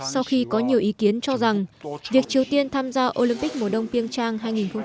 sau khi có nhiều ý kiến cho rằng việc triều tiên tham gia olympic mùa đông pyeongchang hai nghìn một mươi tám